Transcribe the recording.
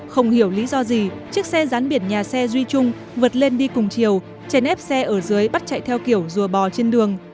không hiểu lý do gì chiếc xe rán biển nhà xe duy trung vượt lên đi cùng chiều chèn ép xe ở dưới bắt chạy theo kiểu rùa bò trên đường